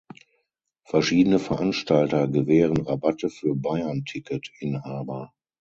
Verschiedene Veranstalter gewähren Rabatte für Bayern-Ticket-Inhaber.